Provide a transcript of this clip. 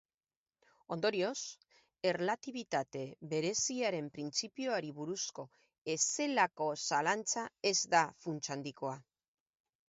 Ondorioz, erlatibitate bereziaren printzipioari buruzko ezelako zalantza ez da funts handikoa.